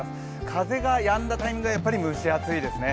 風がやんだタイミングがやっぱり蒸し暑いですね。